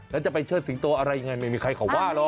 แล้วจะไปเชิดสิงโตอะไรยังไงไม่มีใครเขาว่าหรอก